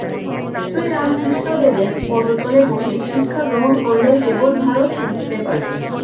শ্রীরামকৃষ্ণদেবের পদতলে বসে শিক্ষা গ্রহণ করলেই কেবল ভারত উঠতে পারবে।